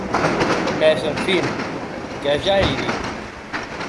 Mès, en fin, que ja ei dit!